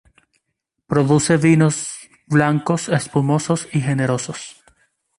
Produce vinos blancos, espumosos y generosos.